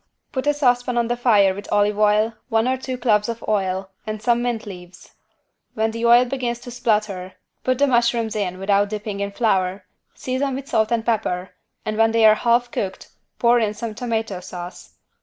Put a saucepan on the fire with olive oil, one or two cloves of oil and some mint leaves. When the oil begins to splutter, put the mushrooms in without dipping in flour, season with salt and pepper and when they are half cooked pour in some tomato sauce.